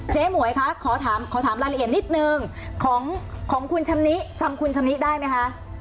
หมวยคะขอถามรายละเอียดนิดนึงของคุณชำนิจำคุณชำนิได้ไหมคะ